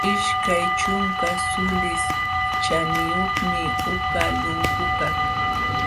Ishkay ćhunka suulis ćhaniyuqmi uqa lunkukaq.